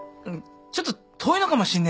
ちょっと遠いのかもしんねえな。